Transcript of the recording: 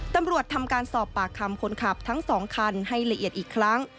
ตำรวจทำการสอบปากคำคนขับทั้ง๒คันให้ละเอียดอีกครั้ง